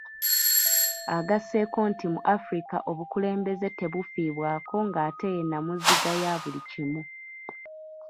Agasseeko nti mu Africa obukulembeze tebufiibwako ng'ate yennamuziga yabuli kimu.